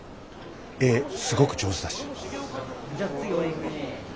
絵すごく上手だし。